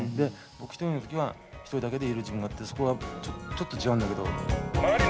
僕１人の時は１人だけでいる自分があってそこはちょっと違うんだけど。